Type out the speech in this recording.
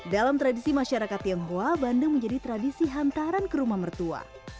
dalam tradisi masyarakat tionghoa bandeng menjadi tradisi hantaran ke rumah mertua